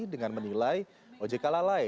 dengan menilai ojk lalai